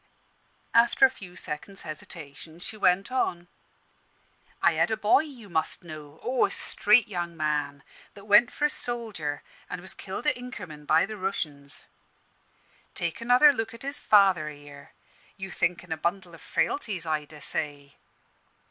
After a few seconds' hesitation she went on "I had a boy, you must know oh! a straight young man that went for a soldier, an' was killed at Inkerman by the Rooshians. Take another look at his father here; you think 'en a bundle o' frailties, I dessay.